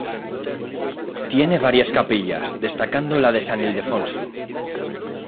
Tiene varias capillas, destacando la de San Ildefonso.